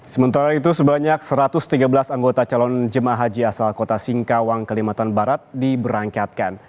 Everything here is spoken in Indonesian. sementara itu sebanyak satu ratus tiga belas anggota calon jemaah haji asal kota singkawang kalimantan barat diberangkatkan